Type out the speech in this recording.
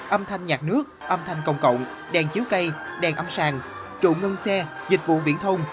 âm thanh nhạc nước âm thanh công cộng đèn chiếu cây đèn âm sàng trụ ngân xe dịch vụ viễn thông